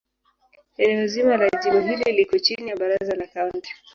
Eneo zima la jimbo hili liko chini ya Baraza la Kaunti.